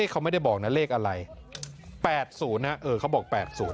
เขาไม่ได้บอกนะเลขอะไร๘๐นะเขาบอก๘๐